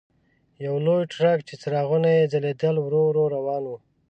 یو لوی ټرک چې څراغونه یې ځلېدل ورو ورو روان و.